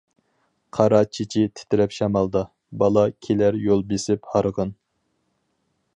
قارا چېچى تىترەپ شامالدا، بالا كېلەر يول بېسىپ ھارغىن.